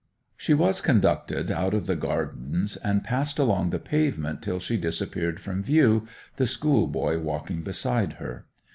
She was conducted out of the gardens, and passed along the pavement till she disappeared from view, the schoolboy walking beside her.